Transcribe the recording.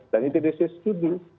dan itdc setuju